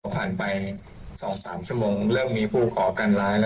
ผ่านไป๒๓ชั่วโมงเริ่มมีผู้ก่อการร้ายแล้ว